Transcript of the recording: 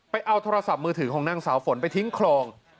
เอาโทรศัพท์มือถือของนางสาวฝนไปทิ้งคลอง